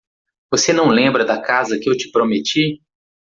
Você não lembra da casa que eu te prometi?